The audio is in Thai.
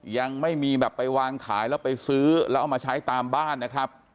ยังไม่มีแบบไปวางขายแล้วไปซื้อแล้วเอามาใช้ตามบ้านนะครับ